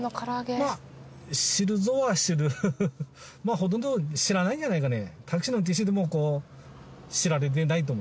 ほとんど知らないんじゃないかね？